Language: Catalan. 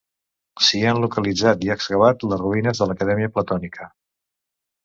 S'hi han localitzat i excavat les ruïnes de l'Acadèmia platònica.